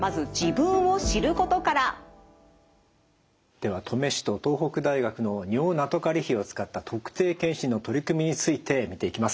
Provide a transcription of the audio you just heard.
では登米市と東北大学の尿ナトカリ比を使った特定健診の取り組みについて見ていきます。